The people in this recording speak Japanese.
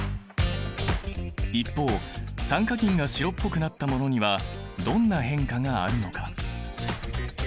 一方酸化銀が白っぽくなったものにはどんな変化があるのか？